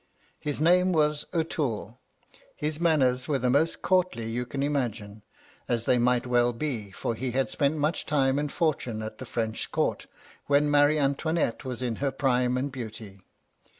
His name was O'Toole. His manners were the most courtly you can imagine; as they might well be, for he had spent much time and fortune at the French court, when Marie Antoinette was in her prime and beauty.